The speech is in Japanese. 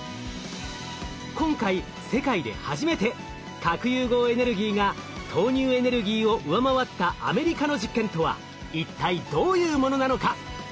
今回世界で初めて核融合エネルギーが投入エネルギーを上回ったアメリカの実験とは一体どういうものなのか？